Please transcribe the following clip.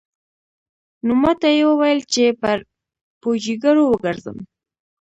نو ماته يې وويل چې پر پوجيگرو وگرځم.